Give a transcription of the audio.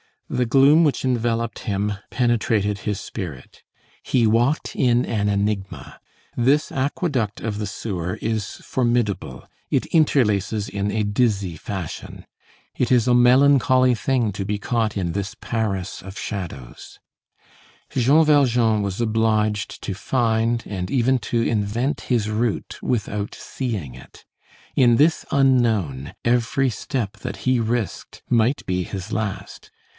The gloom which enveloped him penetrated his spirit. He walked in an enigma. This aqueduct of the sewer is formidable; it interlaces in a dizzy fashion. It is a melancholy thing to be caught in this Paris of shadows. Jean Valjean was obliged to find and even to invent his route without seeing it. In this unknown, every step that he risked might be his last.